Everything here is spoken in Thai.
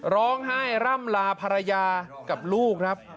ร้องไห้ร่ำลาภรรยากับลูกครับ